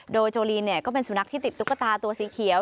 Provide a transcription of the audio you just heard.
โดยโจลีนก็เป็นสุนัขที่ติดตุ๊กตาตัวสีเขียว